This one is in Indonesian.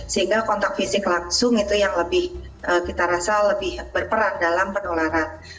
sehingga kontak fisik langsung itu yang lebih kita rasa lebih berperan dalam penularan